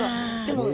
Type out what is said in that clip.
でも。